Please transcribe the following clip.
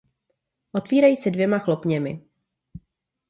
Otvírají se dvěma chlopněmi.